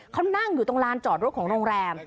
เขานั่งอยู่ตรงลานจอดรถของโรงแรม